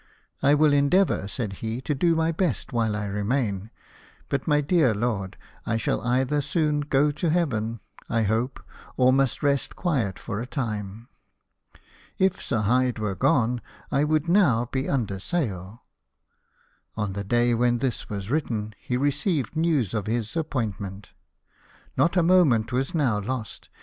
" I will endeavour," said he, " to do my best while I remain ; but, my dear lord, I shall either soon go to heaven, I hope, or must rest quiet for a time. If Sir Hyde were gone, I would now be under sail." On the day when this was written he received news of his appointment. Not a moment was now lost.